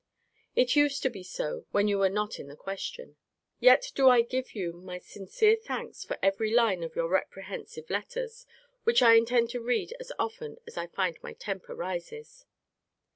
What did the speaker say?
It used to be so, when you were not in the question. Yet do I give you my sincere thanks for every line of your reprehensive letters; which I intend to read as often as I find my temper rises.